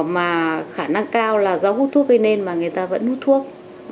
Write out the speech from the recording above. mà khả năng cao là do hút thuốc gây nên mà người ta vẫn hút thuốc